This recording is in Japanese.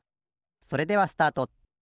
それではスタート。